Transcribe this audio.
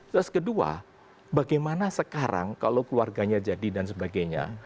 terus kedua bagaimana sekarang kalau keluarganya jadi dan sebagainya